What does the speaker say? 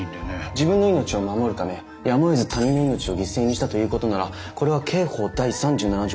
自分の命を守るためやむをえず他人の命を犠牲にしたということならこれは刑法第３７条